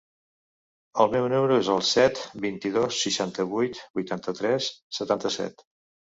El meu número es el set, vint-i-dos, seixanta-vuit, vuitanta-tres, setanta-set.